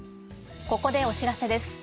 ここでお知らせです。